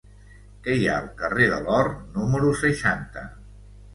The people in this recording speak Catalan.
Què hi ha al carrer de l'Or número seixanta?